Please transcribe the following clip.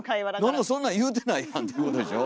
なんもそんなん言うてないやんっていうことでしょ？